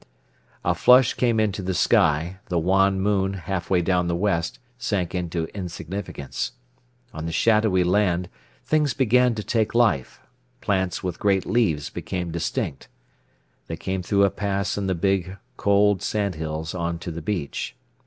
A flush came into the sky, the wan moon, half way down the west, sank into insignificance. On the shadowy land things began to take life, plants with great leaves became distinct. They came through a pass in the big, cold sandhills on to the beach.